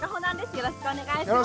よろしくお願いします。